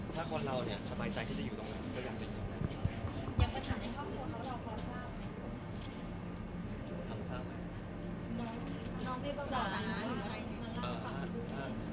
ถ้าคนเราเนี่ยสบายใจที่จะอยู่ตรงนั้นก็อยากเสร็จตรงนั้น